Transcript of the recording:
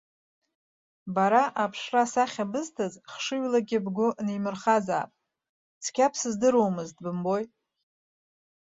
Бара аԥшра-асахьа бызҭаз, хшыҩлагьы бгәы нимырхазаап, цқьа бсыздыруамызт, бымбои.